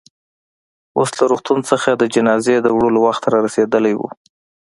اوس له روغتون څخه د جنازې د وړلو وخت رارسېدلی و.